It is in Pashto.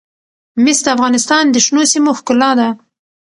مس د افغانستان د شنو سیمو ښکلا ده.